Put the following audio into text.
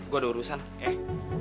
gue ada urusan eh